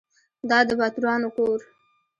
دا د باتورانو کور .